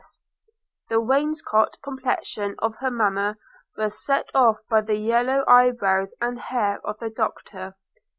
The wainscot complexion of her Mamma was set off by the yellow eyebrows and hair of the Doctor.